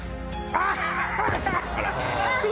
あっ！